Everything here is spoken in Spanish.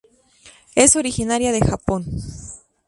Es originaria de Japón.